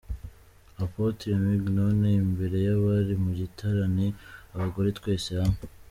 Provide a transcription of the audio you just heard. Apotre Mignonne imbere y'abari mu giterane 'Abagore twese hamwe'.